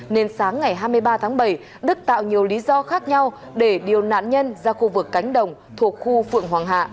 nên sáng ngày hai mươi ba tháng bảy đức tạo nhiều lý do khác nhau để điều nạn nhân ra khu vực cánh đồng thuộc khu phượng hoàng hạ